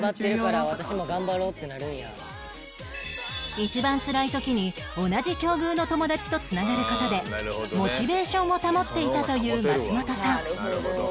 一番つらい時に同じ境遇の友達と繋がる事でモチベーションを保っていたという松本さん